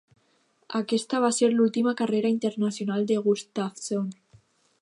Aquesta va ser l'última carrera internacional de Gustafson.